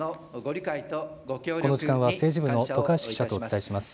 この時間は政治部の徳橋記者とお伝えします。